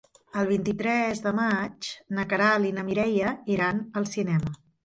El vint-i-tres de maig na Queralt i na Mireia iran al cinema.